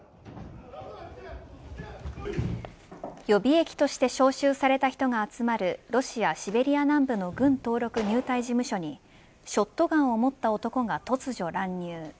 予備役として招集された人が集まるロシア、シベリア南部の軍登録入隊事務所にショットガンを持った男が突如乱入。